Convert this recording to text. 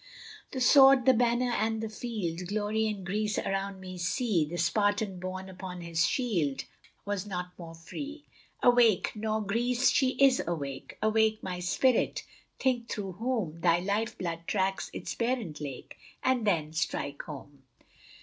The sword, the banner, and the field, Glory and Greece, around me see! The Spartan, borne upon his shield, Was not more free. Awake! (not Greece she is awake!) Awake, my spirit! Think through whom Thy life blood tracks its parent lake, And then strike home!